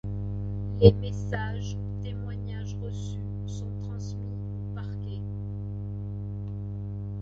Les messages, témoignages reçus, sont transmis au parquet.